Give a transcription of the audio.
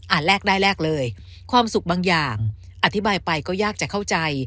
แรกได้แรกเลยความสุขบางอย่างอธิบายไปก็ยากจะเข้าใจ